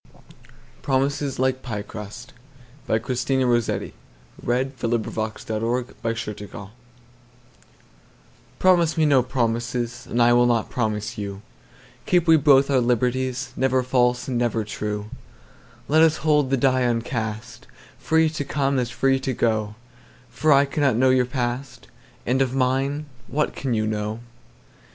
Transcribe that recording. e Promises Like Pie Crust by Christina Rossetti Promise me no promises, So will I not promise you:Keep we both our liberties, Never false and never true:Let us hold the die uncast, Free to come as free to go:For I cannot know your past, And of mine what can you know?